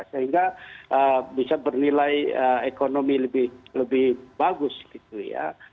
sehingga bisa bernilai ekonomi lebih bagus gitu ya